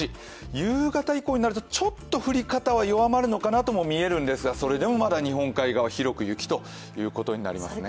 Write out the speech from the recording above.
夕方以降になるとちょっと降り方は弱まるのかなというふうには見えるんですが、それでもまで日本海側は広く雪となりますね。